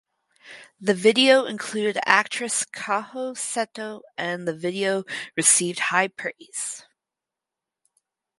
The video included actress Kaho Seto and the video received high praise.